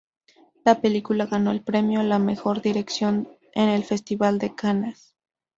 La película ganó el premio a la mejor dirección en el Festival de Cannes.